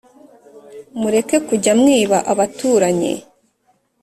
Mureke kujya mwiba abaturanyi